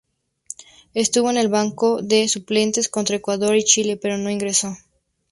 Estuvo en el banco de suplentes contra Ecuador y Chile, pero no ingresó.